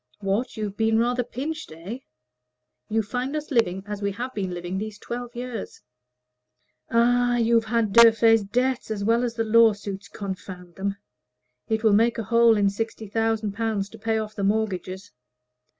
"What! you've been rather pinched, eh?" "You find us living as we have been living these twelve years." "Ah, you've had Durfey's debts as well as the lawsuits confound them! It will make a hole in sixty thousand pounds to pay off the mortgages.